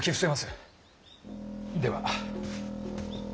では。